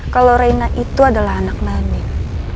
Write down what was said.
kalau rena itu adalah anak mending